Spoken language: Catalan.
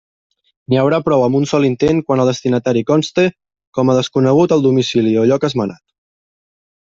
N'hi haurà prou amb un sol intent quan el destinatari conste com a desconegut al domicili o lloc esmentat.